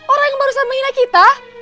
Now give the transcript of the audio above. orang yang barusan menghina kita